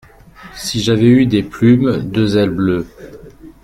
Si j’avais eu des plumes, deux ailes bleues.